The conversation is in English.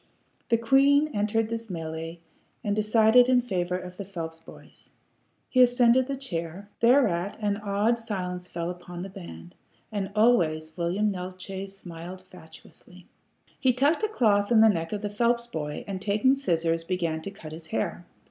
The queen entered this mêlée, and decided in favor of the Phelps boy. He ascended the chair. Thereat an awed silence fell upon the band. And always William Neeltje smiled fatuously. He tucked a cloth in the neck of the Phelps boy, and taking scissors, began to cut his hair.